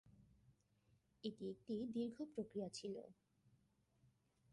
এটি একটি দীর্ঘ প্রক্রিয়া ছিল।